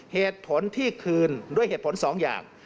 เหตุผลที่คืนด้วยเหตุผลสองอย่าง